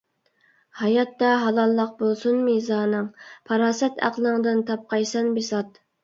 ھاياتتا ھالاللىق بولسۇن مىزانىڭ، پاراسەت-ئەقلىڭدىن تاپقايسەن بىسات.